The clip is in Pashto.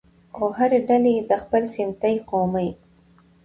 او هرې ډلې د خپل سمتي، قومي